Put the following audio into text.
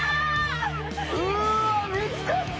うーわ見つかった！